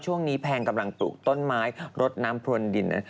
ช่วงนี้แพงกำลังตลุกต้นไม้รดน้ำพรวนดิน